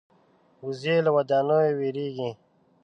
وزې له ودانیو وېرېږي